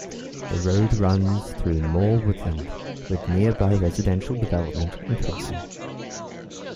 The road runs through more woodland, with nearby residential development increasing.